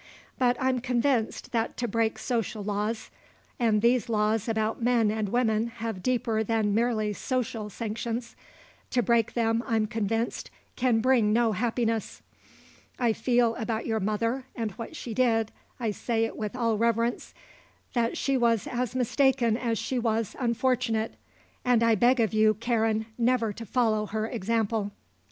But I'm convinced that to break social laws and these laws about men and women have deeper than merely social sanctions to break them, I'm convinced, can bring no happiness. I feel about your mother, and what she did I say it with all reverence that she was as mistaken as she was unfortunate. And I beg of you, Karen, never to follow her example."